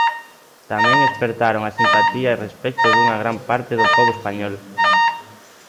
Tamén espertaron a simpatía e respecto dunha gran parte do pobo español.